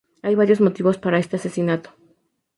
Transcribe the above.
Hay varios motivos para este asesinato.